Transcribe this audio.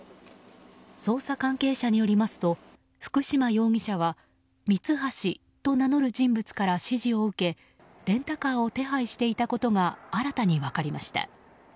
捜査関係者によりますと福島容疑者はミツハシと名乗る人物から指示を受けレンタカーを手配していたことが新たに分かりました。